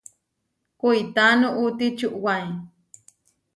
Kuitá nuʼuti čuʼwaé.